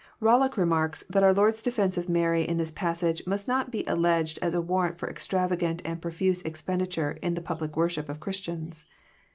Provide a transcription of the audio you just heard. Bollock remarks, that onr Lord's defence of Mary in this passage mnst not be alleged as a warrant for extravagant and profuse expenditure in the public worship of Christians.